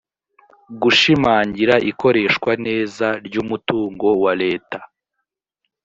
gushimangira ikoreshwa neza ry umutungo wa leta